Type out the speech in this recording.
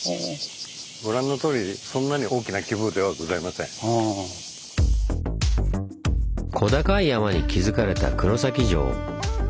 ご覧のとおり小高い山に築かれた黒崎城。